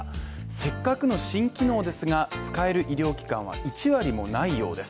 せっかくの新機能ですが、使える医療機関は１割もないようです。